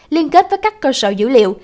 liên kết với các cơ sở dữ liệu